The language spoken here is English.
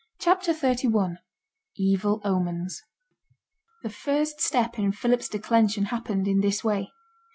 CHAPTER XXXI EVIL OMENS The first step in Philip's declension happened in this way.